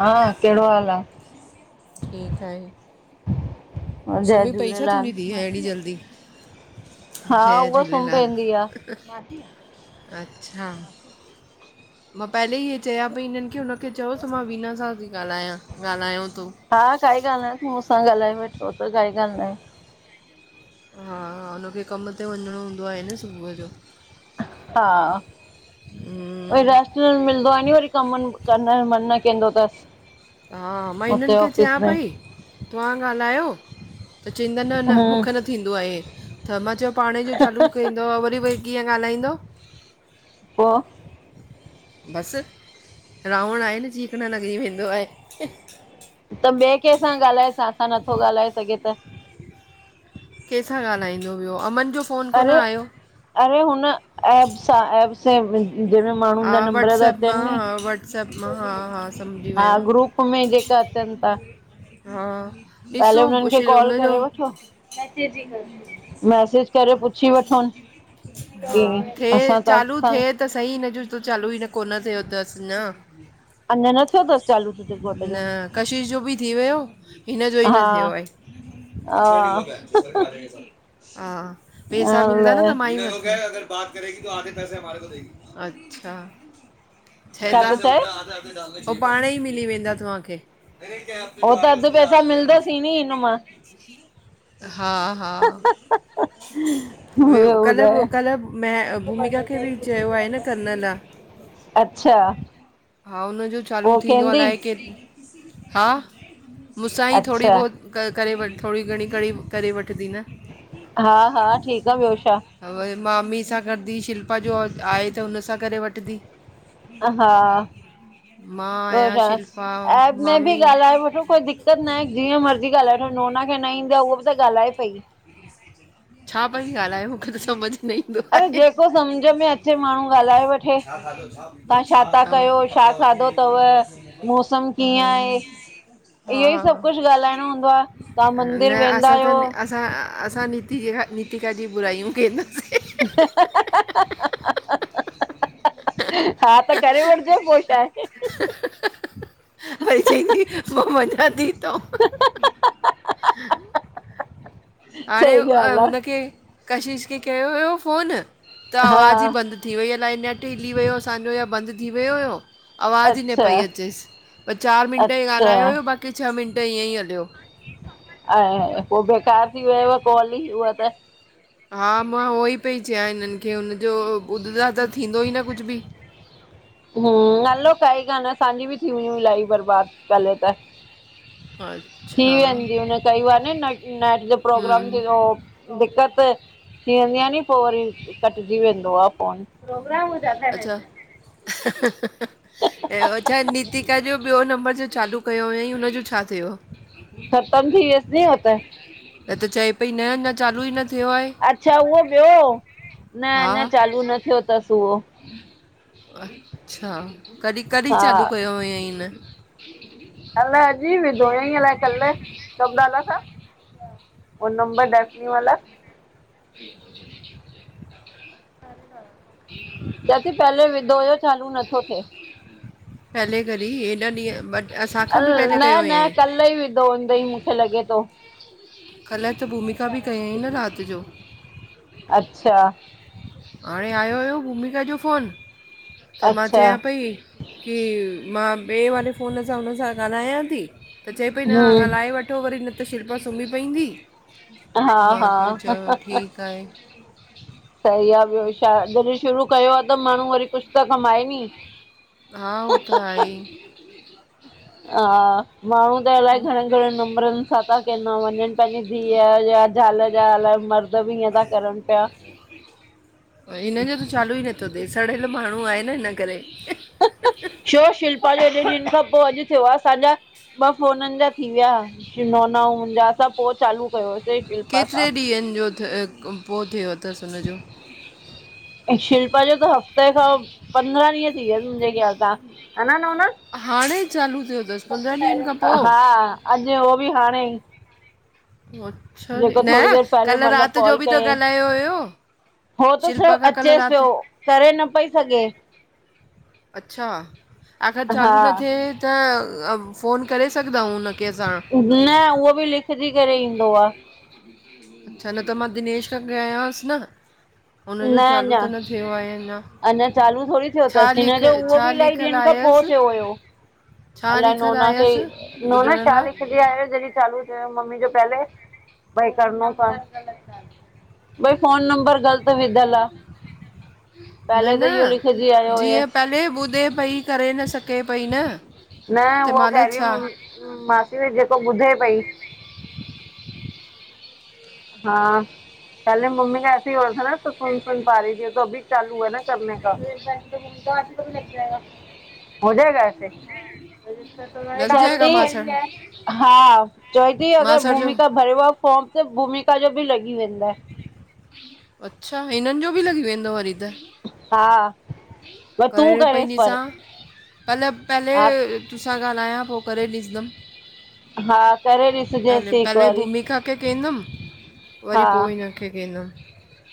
हा, केड़ो हाल आ? ठीकु आहे जय सुम्ही पई छा तुंहिंजी झूलेलाल। धीअ अहिड़ी जल्दी हा, जय उहा सुम झूलेलाल पैंदी आ। अच्छा! मां पेहले हीअ चयां पई हिनन के हुन खे चयोस मां वीना सां ती ॻाल्हायां, ॻाल्हायो तो हा! काई ॻाल ना आहे तूं मूंसां ॻाल्हाए ओ त काई ॻाल न आहे। हा -हा, हुनखे कम ते वञणो हूंदो आहे न सुबुह जो। हा हम्म, वरी रेस्ट न मिलंदो आहे नी वरी कम कर मन न कंदो अथसि हा मां हिननि हुते खे चयां ऑफिस में। पई तव्हां ॻाल्हायो त चवंदा न न हम्म, मूंखे न थींदो आहे ऐ मां चयो पाणे जो चालू कंदो आहे वरी वरी कीअं ॻाल्हाईंदो पो बसि रावण आहिनि चीक न लॻी वेंदो आहे त ॿिए केंसा सां ॻाल्हाए तव्हां सां नथो ॻाल्हाए सघे त कंहिंसां ॻाल्हाईंदो वियो अमनि जो फ़ोन कोन अरे- आयो अरे हुन एप सां एप जे मे माण्हूा नंबर द च आहिनि नी सभु मां हा- हा सम्झी हा वियमि ग्रुप में जेका अचनि था, हा पहले ॾिसो हुननि खे कॉल हुनजो करे वठो मैसेज करे पुछी वठोन कि असां ताक सां [unintelligible] थीअस त सही हुन जो त चालू ई न थीअस। अञा न थियो तस्त न कशिशि जो बि थी वियो हिनजो ई हा न थियो आहे हा हा पैसा मिलंदा न त अलाए माइ बात करेेगी तो आधे पैसे हमारे को देगी, अच्छा छा थो चए [unintelligible] पो पाणे ई मिली वेंदा तव्हांखे उहो त अधु पैसा मिलंदोसीं नी हिनन मां हा हा ॿियो कल्ह ॿुधाए -कल्ह भूमिका खे बि चयो आहे न करण ला अच्छा हा हुनजो चालू पोइ थींदो केंदी अलाइ हा मूंसां ई थोरी अच्छा बहुत करे वठ थोरी घणी घणी करे वठंदी न हा -हा ठीकु आहे ॿियो छा आहे व मामी सां कंदी उनसां शिल्पा सां करे वठंदी हा मां ॿियो आहियां छा शिल्पा ऐएप में बि मामी ॻाल्हाए वठो कोई दिक्क़त ना जीअं मर्ज़ी ॻाल्हाए वठो नोना खे न ईंदी आहे उहा बि त ॻाल्हाए पई छा पई ॻाल्हि आहे मूंखे त सम्झ न ईंदो आहे जो समझ में अचे माण्हू ॻाल्हायो छा खाधो, छा पीतो, छा कयो छा कपिड़ा वठी खाधो अथव आयाव? मौसम कीअं हा आहे इहो ई हा सभु कुझु ॻाल्हाइणो हूंदो आहे तव्हां मंदिर न वेंदा असां त आहियो असां असां नीतिका नितिका जी बुराइयूं कंदासि हा त करे वठजो पोइ छा आहे वरी चई थी मां वञा थी हितां हाणे सही ॻाल्हि आहे हुनखे कशिश खे कयो हुयो फ़ोन त हा आवाज़ु ई बंदि थी वई अलाई नेट हिली वियो असांजो इहो बंदि थी वियो हुयो आवाज़ ई न अच्छा पई अचेसि पर चारि मिंट ई अच्छा ॻाल्हायो हु बाक़ी छह मिंट ईअं ई हलियो ऐं पोइ बेकार थी वयव कॉल उहा त हा मां उहो ई पई चय हिननि खे हुनजो ॿुध ता त थींदो ई न कुझु बि। हु, हलो काई ॻाल नाहे, तव्हांजी भी थी व्यू हुयूं लॉइफ बर्बाद पेले त [inaudible] थी वेंध्यू हुन कई बार न नेट जो प्रोग्राम हम्म थींयो। दिकक़त थी वेंदी आ नी पोइ वरी कटजी वेंदो आ फोन। पोग्राम जा [unintelligible] [inaudible] ऐं अच्छा नितिका जो ॿियों नंबर जो चालू कयो हुअईं हुन जो छा थियो? ख़तम थी वियस न उहो त। न त चए पई न, न। चालू ई थियो आहे अच्छा उहो ॿियो, न हा अञा चालू न थियो थसि उहो। अच्छा, कॾहिं कॾहिं हा चालू कयो हुअईं हिन। अलाए अॼु ई विधो हुअईं अल्हाए कल्ह, कब डाला था? वो नंबर चिंता की डैफनी कोई वाला बात नहीं [unintelligible] चए थी पहले विधो हुयो चालू नथो थिए। पहले कॾहिं हेॾा ॾींहं मत अल न, न कल्ह ई विधो हूंदई मूंखे लॻे थो। कल्ह त भूमिका बि कयईं न राति जो। अच्छा हाणे आयो हुयो भूमिका जो फ़ोन त मां अच्छा चयां पई कि मां ॿिए वारे फ़ोन सां हुन सां ॻाल्हायां थी त चए पई न ॻाल्हाए हम्म वठ वठो वरी न त शिल्पा सुम्ही पईंदी, हा मां चयो हा त ठीकु आहे। सही आ, ॿियो छा, जॾहिं शुरू कयो आ त माण्हू वरी कुझु त कमाए नी। हा उहो त आहे। हा माण्हू त अलाए घणनि घणनि नम्बरनि सां था कंदा था वञनि पंहिंजी धीअ या ज़ाल जा अलाए मर द बी ईंअ ता करनि पिया। हिनज जो त चालू ई नथो थिए, सड़ियल माण्हू आहे न हिन करे। छो शिल्पा जा हेॾे ॾींहंनि खां पोइ अॼु थियो आ, असांजा ॿ फ़ोननि जा थी विया, शिनोना, [unintelligible] असां पोइ चालू कयांसे शिल्पा सां। [unintelligible] जो [unintelligible] पोइ थियो थसि हुनजो। अएं शिल्पा जो त हफ़्ते खां पंद्राह ॾींह थी वयस मुंॼे ख़्याल सां, हन नोना। हाणे चालू थियो थसि। सबसे पहले उनका, हा अॼु उहो बि हाणे ई। अच्छा जी, जेको न थोरी देरि पहले कल्ह मतिलबु राति जो कॉल बि त कयईं ॻाल्हायो हुयो। हो त शिल्पा सिर्फ़ खां कल्ह अचेसि पियो, राति करे न पई सघे। अच्छा, आखरि हा चालू न थिए त फ़ोन करे सघंदाऊ उनखे असां। न उहो बि लिखजी करे ईंदो आ। अच्छा न त मां दिनेश खां कयांसि न न हुनजो चालू अञा त न थियो आहे अञयां। अञा चालू थोरी थियो थसि, हिन जो उहो छा बि इलाही लिखियलु ॾींहंनि खां पोइ आयसि थियो हुयो। छा अल्हाए लिखियलु नोना खे, आयसि नोना ॿुधण छा लाइ लिखंदी आहे जॾहिं चालू थियो मम्मी जो पहले भई करनो थन, भई फोन नंबर ग़लत विधल आ। न, पहले त इहो लिखजी न आयो जीअं हुयसि पेहले ॿुधे पई, करे न सघे पई न। [unintelligible] छा। मां चयो जेको ॿुधे पई। हा। पहले मम्मी का ऐसे ई हूथा था न, तो सुन, सुन, पा रही थी। तो अभी चालू हुआ ना। चाल मैं करती हूं। हो गया वेसे? र [inaudible] लॻ चऐ जाएगा ती मासण हा। चऐ ती आॻारि मासण जो भूमिका भरियुव फॉर्म। सिर्फ भूमिका जो बि लॻी वेंदाइन। अच्छा। हिननि जो बि लॻी वेंदो वरी त। हा। पोइ तूं करेसि पर। कल। पहले हा तोसां ॻाल्हायां पोइ करे ॾिदम। हा करे पहले, ॾिसजेसि हिकु पहले वारी भूमिका खे कंदुमि। वरी हा पोइ हिनखे कंदमि।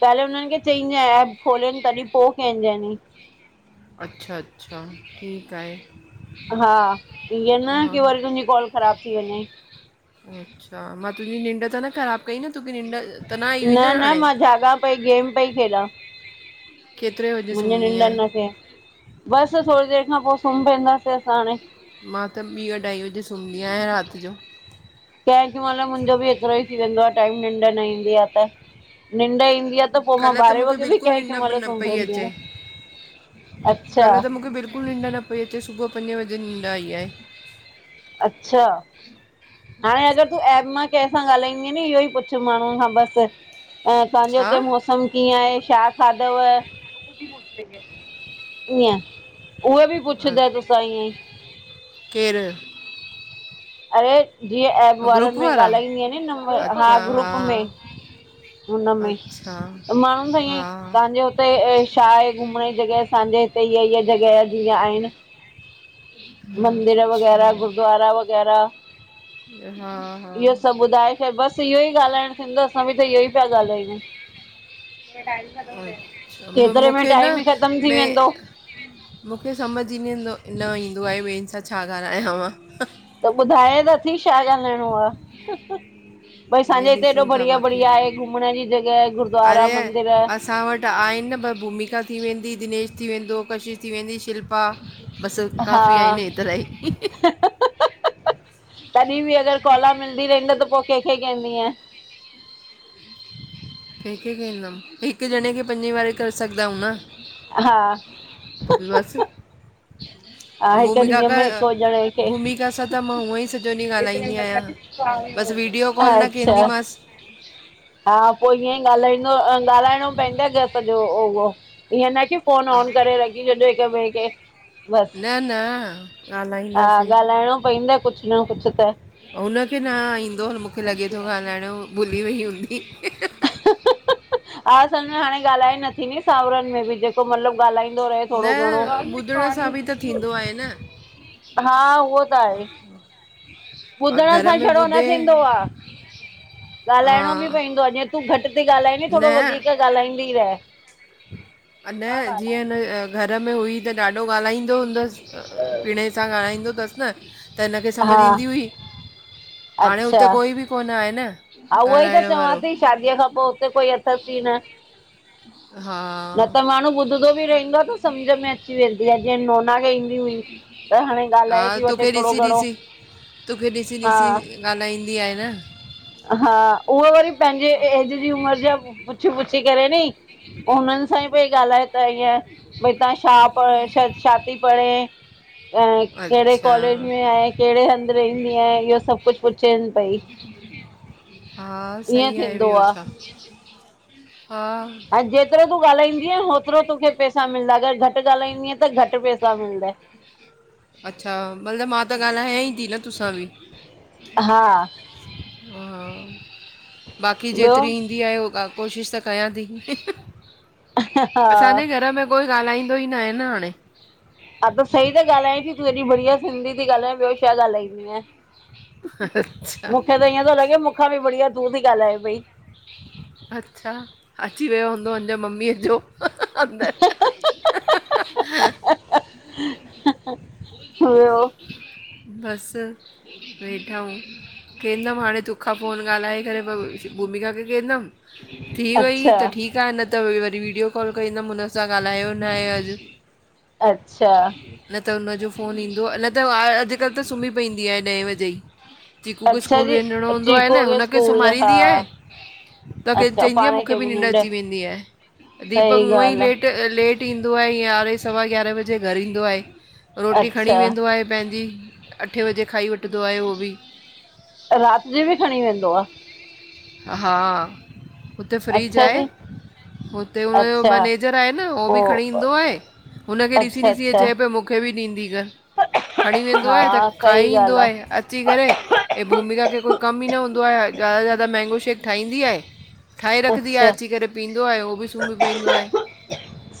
पहले हुननि खे चईं ऐएप खोलनि तॾहिं पोइ कंहिंज नि। अच्छा। अच्छा, ठीकु आहे। हा। ईअं न हा की वरी तुंहिंजी कॉल ख़राब थी वञई। अच्छा। मां तुंहिंजी निंड त न ख़राब कई न? तूखे निंड त आई हुई न न हाणे मां जाॻा पई गेम पई खेॾां। केतिरे वजे मुंहिंजी सुम्हंदी निंड आहीं न थे। बसि थोरी देरि खां पोइ सुम्ह पेदासे असां हाणे। मां त ॿीं अढाई वजे सुम्हंदी आहियां राति जो। कंहिंॾहिं महिल मुंहिंजो बि एतिरो ई थी वेंदो आ टाइम निंड न ईंदी आ त। निंड ईंदी आ त पोइ मां कल्ह ॿारहें मूंखे वॻे बि बिल्कुलु कंहिं, निंड कंहिं महिल न पई सुमपवईंदी अचे आहियां। अच्छा कल्ह त मूंखे बिल्कुलु निंड न पई अचे सुबुह पंजे बजे निंड आई आहे। अच्छा। हाणे अगरि तूं ऐप मां कंहिं सां ॻाल्हाईंदीअ नी इहो ई पुछु माण्हू खां बस। ए तव्हांजे हुते मस् छा कमु कीअं छा खाधव। इेहे आ। उहे बि पुछंद तोसां इेहेई। केरु। अड़े जीअं एब वारनि ग्रुप में वारा ॻाल्हाईंदी नंबर हा ग्रुप में। हुनमें। अच्छा त माण्हून सां ईअई हा तव्हांजो। त ए ए छा आहे घुमण ई जॻह असजे हिते ई ईीअ जॻह जीअं आहिनि। [inaudible] मंदिर अच्छा वगैरह, गुद्वारा वगैरह हा। हा। त इहो ई ॻाल्हाइणु थींदोसां बि त इहो ई पिया ॻाल्हायूं। अच्छा मु- केतिरे में मूंखे टाइम न ई ख़तम थी वेंदो। में मूंखे सम्झ ई न ईंदो, न ईंदो आहे ॿियनि सां छा ॻाल्हायां मां। त ॿुधाय त थी छा ॻाल्हाइणो आ। भई हे असांजे हिते एॾो ॾिसूं था बढ़िया, बाक़ी बढ़िया आहे। घुमण जी जॻहि गुरुद्वारा मंदिर। त आहिनि न पर भूमिका थी वेंदी, दिनेश थी वेंदो, कशिश थी वेंदी, शिल्पा बसि हा काफ़ी आहिनि हे एतरा ई। अ अ तॾहिं बि अॻारि कोला मिलंदी रही त पोइ कंहिंखे कंहिंजंदी। कंहिंखे कंदमि हिकु ॼणे खे पंजे वारे करे सघंदा न। हा। पो प बस हा हिक भूमिका ॾींहं खां। में हिकु ॼणे खे भूमिका सां त मां हूअं ई स जोनी ॻाल्हाईंदी आहियां बसि वीडियो कॉल न अच्छा कंदीमासि। हा पो ईअं ई ॻाल्हाईंदो ॻाल्हाइणो पवंदो क सॼो उह ईअं न की फोन आह, ऑन करे रखी छॾियो हिक ॿिए खे। बसि न न हा ॻाल्हाईंदासीं ॻाल्हाइणो पइंदे कुछ न कुछ त। हुनखे न ईंदो मुंखे लॻे थो ॻाल्हाइण भुली वई हूंदी। हा सम्झ में हाणे ॻाल्हाए न थींदी सावरिन में बि जेको मतलबु ॻाल्हाईंदो हलंधो रहे न थोङो ॿुधण सां बि घणो। त थींदो आहे न। हा उहो त आहे। अ, ॿुधण घर सां में छड़ो न ॿुधे थींदो आ। ॻाल्हाइणो बि हा पवंदो आ जीअ तूं घटि थी ॻाल्हाई नी न थोरो वधीक ॻाल्हाईंदी रह। न जीअं न घर में हुई त ॾाढो ॻाल्हाईंदो हूंदसि पिणे। अस सां ॻाल्हाईंदो अथसि न त हिनखे समझ हा ईंदी हुई। हाणे अच्छा हुते कोई बि कोन आहे न, हा उहो ई त ॻाल्हाइण चवां वारो। थी शादीअ खां पो हुते कोई अथ सी न। हा। न त माण्हू ॿुधंदो बि रहंदो आहे त सम्झ में अची वेंदी आ, जीअं नोना खे। हुई त हाणे हा, ॻाल्हाए थी वठे तोखे थोरो ॾिसी घणो ॾिसी, तोखे ॾिसी हा ॾिसी ॻाल्हाईंदी आहे न। हा, उहो वरी पंहिंजे एज जी उमिर जा पुछी पुछी करे नी उनि असांजी पई ॻाल्हाए त ईअ, भई तव्हां छा पढ़ छा थी पढ़े। कहिड़े अच्छा कॉलेज में आहे, कहिड़े हंधि रहंदी आहिन इहो सब कुझु पुछेन पई। हा ईअं सही आहे, थींदो ॿियो छा, हा। हाणे जेतिरो तूं ॻाल्हाईंदीअ ओतिरो तोखे पैसा मिलंदा, अगरि घटि ॻाल्हाईंदीअ त घटि पैसा मिलंदय। अच्छा, मतलब मां त ॻाल्हायईंती न तोसां ॿि। हा। हा, बाक़ी ॿियो जेतिरी कोशिश त कयां ती, हा असांजे हा घर में कोई ॻाल्हाईंदो ई न आहे न हाणे। हा त सही त ॻाल्हाएं थी, तूं हेॾी बढिया सिधी थी ॻाल्हाए, ॿियो छा ॻाल्हाइंदिय। अच्छा। मुखां ॿि बढ़िया तूं थी गाल्हाए पइ। अच्छा, अची वियो हूंदो अन्ज ममीअ जो। अंदर। ॿियो बस। वेठा आयूं, कंदमि हाणे, तोखां फोन ॻाल्हाए करे पोइ भूमिका खे कंदमि। थी वई अच्छा त ठीकु आहे न त वरी वीडियो कॉल कंदमि हुन सां ॻाल्हायो न आहे अॼु। अच्छा न त हुनजो फोन ईंदो अञा न त अज़ अॼुकल् त सुम्ही पंदी आहे ॾहें बजे ई। चीकू खे अच्छा स्कूल जी वञिणो हूंदो आहे न चीकूअ खे हुनखे स्कूल हा सुम्हारिंदी आहे। तोखे अच्छा चअंदी आहे, पाण मूंखे खे बि निंड अची वेंदी आहे, दीपक सही हूअं ई ॻाल्हि लेट लेट ईंदो आहे, यारहें सवा यारहें बजे घरु ईंदो आहे। आ रोटी खणी अच्छा वेंदो आहे पंहिंजी। अठे वजे खाई वठदो आहे उहो ॿि। रात जी ॿि खणी वेंदो आ? हा, हुते फ्रिज अच्छा आहे। जी हुते हुनयो अच्छा मैनेज़र आहे न, हो पो बि खणी ईंदो आहे हुनखे अच्छा ॾिसी-ॾिसी हे अच्छा चए पयो, मूखे बि ॾींदी कर। खणी वेंदो आहे त हा सही खाई ईंदो ॻाल्हि आ आहें या अची करे! हे भूमिका खे कोई कम ई न हूंदो आहे, ज़्यादा से ज़्यादा मैंगो शेक ठाहींदी आहे। ठाहे रखदी आ, अच्छा अची करे पींदो आहे हो भी सुमी पऐंदो आहे।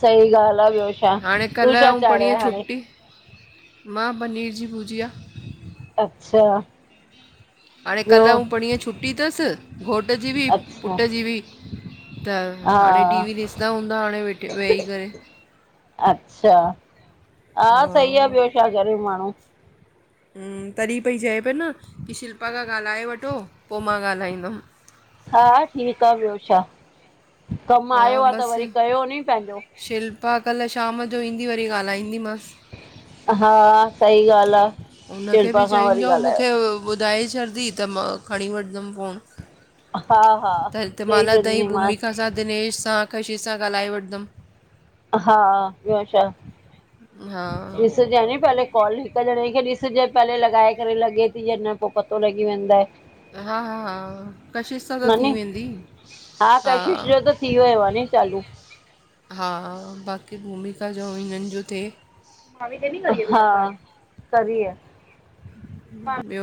सही ॻाल्हि आ ॿियो छा हाणे कल तूं छा अउँ पणीह चाढ़ियए हाणे? छुट्टी। मां पनीर जी भुजिया। अच्छा। हाणे कल ॿियो? अउँ पणीह छुट्टी तस घोट जी ॿि, अच्छा पुट जी ॿि। त! हाणे हा टीवी ॾिसदा हूंदा हाणे वेठे वेहीं करे। अच्छा! हा सही आ ॿयो छा करे माणू। हूम्म, तॾहिं पई चए प न कि शिल्पा खां गालाए वठो, पो मां गालाई दम। हां ठीक आ, ॿयो छा कम हा आयो आह त वरी बसि कयो नी पहेंजो। शिल्पा कल शाम जो ईंदी वरी ॻालाईंदी मास। हा सही गाल आ, शिल्पा खां वरी ॻालायो। बुधाए छॾदी त मां खणी वठदम फ़ोन। हा हा त चई तेमाला ताई छॾंदीमांस भूमिका सां, दिनेश सां, कशिश सां ॻालाए वठदम। हा! ॿयो छा। हा! कनणे खे ॾिस जाए पहले लगाए करे लगेती या न पो पतो लगी वेंदऐ। हा-हा, कशिश सां त थी वेंदी। हां हा कशिश जो त थी वयो आ नी चालू। हा! बाक़ी भूमिका जो अउं हिनन जो थे। हा करी ऐं। ब्यो!